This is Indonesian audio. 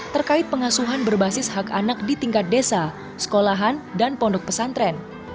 terkait pengasuhan berbasis hak anak di tingkat desa sekolahan dan pondok pesantren